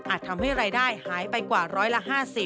ทำให้รายได้หายไปกว่าร้อยละ๕๐